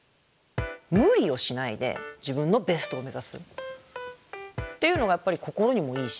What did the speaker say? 無理をしないで自分のベストを目指すっていうのがやっぱり心にもいいし。